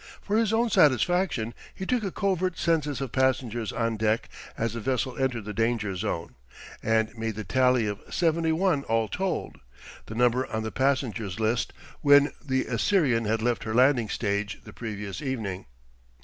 For his own satisfaction he took a covert census of passengers on deck as the vessel entered the danger zone, and made the tally seventy one all told the number on the passenger list when the Assyrian had left her landing stage the previous evening.